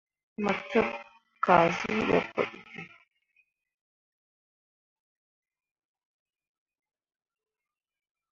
Mo cup kazi be pu ɗiki.